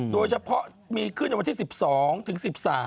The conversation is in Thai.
โดยเฉพาะมีขึ้นในวันที่๑๒ถึง๑๓